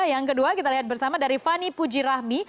yang kedua kita lihat bersama dari fani pujirahmi